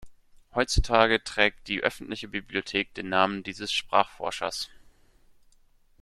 Heutzutage trägt die öffentliche Bibliothek den Namen dieses Sprachforschers.